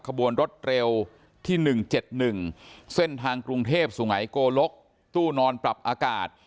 ขบวนรถเร็วที่๑๗๑เส้นทางกรุงเทพสุงัยโกลกตู้นอนปรับอากาศ